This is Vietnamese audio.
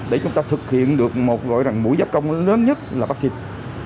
để chúng ta thực hiện được một gọi là mũi gia công lớn nhất là vaccine